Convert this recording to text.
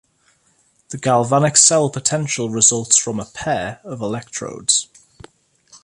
The galvanic cell potential results from a "pair" of electrodes.